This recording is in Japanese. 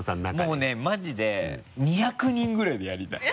もうねマジで２００人ぐらいでやりたい。